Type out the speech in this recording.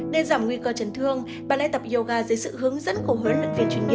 để giảm nguy cơ chấn thương bạn hãy tập yoga dưới sự hướng dẫn của huấn luyện viên chuyên nghiệp